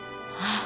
ああ。